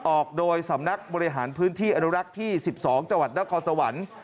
ออกโดยสำนักบริหารพื้นที่อนุรักษ์ที่๑๒จังหวัดนครสวรรค์